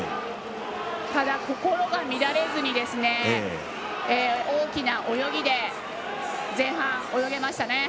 ただ、心が乱れずに大きな泳ぎで、前半泳げましたね。